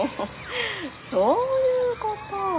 そういうこと。